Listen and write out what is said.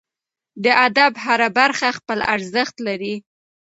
د ادب هره برخه خپل ارزښت لري.